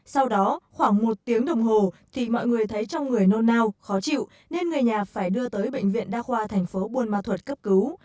sau đó khoảng một tiếng đồng hồ thì mọi người thấy trong người nôn nao khó chịu nên người nhà phải đưa tới bệnh viện đa khoa thành phố buôn ma thuật cấp cứu